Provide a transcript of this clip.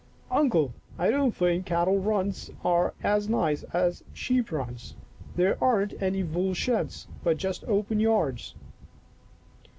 " Uncle, I don't think cattle runs are as nice as sheep runs. There aren't any wool sheds, but just open yards."